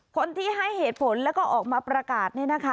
คนที่ให้เหตุผลแล้วก็ออกมาประกาศเนี่ยนะคะ